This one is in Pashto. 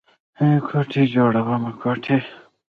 ای کوټې جوړومه کوټې.